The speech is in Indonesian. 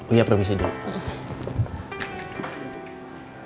uya provisi dulu